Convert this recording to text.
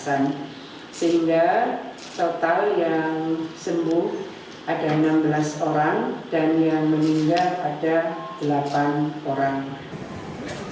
sehingga total yang sembuh ada enam belas orang dan yang meninggal ada delapan orang